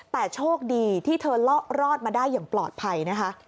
แต่โชคดีที่เธอรอดมาได้อย่างปลอดภัยนะคะ